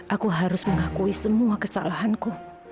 aku harus mengakui semua kesalahanku